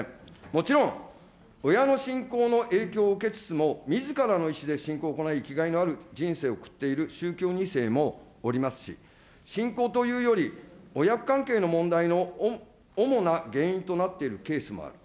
もちろん親の信仰の影響を受けつつも、みずからの意思で信仰を行い、生きがいのある人生を送っている宗教２世もおりますし、信仰というより、親子関係の問題の主な原因となっているケースもある。